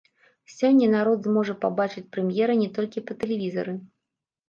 Сёння народ зможа пабачыць прэм'ера не толькі па тэлевізары.